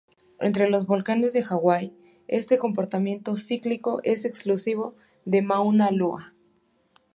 Entre los volcanes de Hawái este comportamiento cíclico es exclusivo de Mauna Loa.